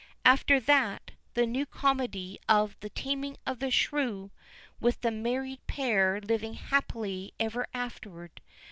After that, the new comedy of 'The Taming of the Shrew,' with the married pair living happily ever afterward.